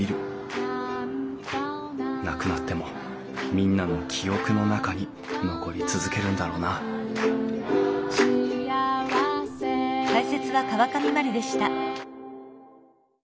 なくなってもみんなの記憶の中に残り続けるんだろうな貞子さん